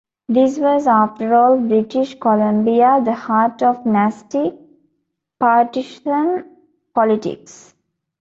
This was, after all, British Columbia, the heart of nasty, partisan politics.